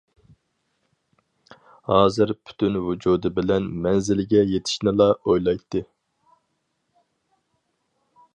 ھازىر پۈتۈن ۋۇجۇدى بىلەن مەنزىلگە يېتىشنىلا ئويلايتتى.